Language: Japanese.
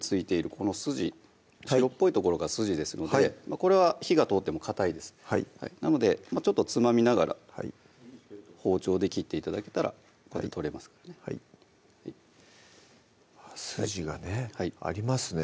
この筋白っぽい所が筋ですのでこれは火が通ってもかたいですなのでちょっとつまみながら包丁で切って頂けたらこれ取れますからねはい筋がねありますね